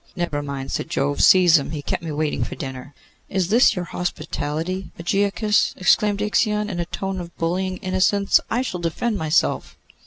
'Never mind,' said Jove; 'seize him! He kept me waiting for dinner.' 'Is this your hospitality, Ægiochus?' exclaimed Ixion, in a tone of bullying innocence. 'I shall defend myself.